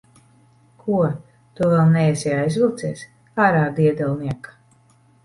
Ko? Tu vēl neesi aizvilcies? Ārā, diedelniek!